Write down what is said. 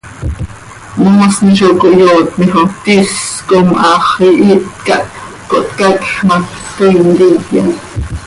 Moosni zo cohyootni xo tis com ah hax ihít cah cohtcacj ma, toii ntiya.